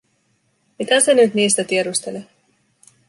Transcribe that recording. Mitä se nyt niistä tiedustelee?